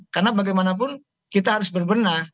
karena bagaimanapun kita harus berbenah